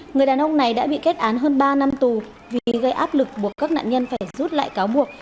người đàn ông này đã bị kết án hơn ba năm tù vì gây áp lực buộc các nạn nhân phải rút lại cáo buộc